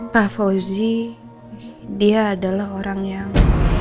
pak fauzi dia adalah orang yang